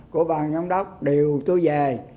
của bàn giám đốc điều tôi về